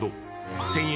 １０００円